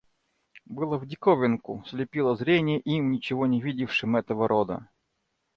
Было в диковинку, слепило зрение им, ничего не видевшим этого рода.